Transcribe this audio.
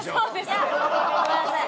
いやごめんなさい！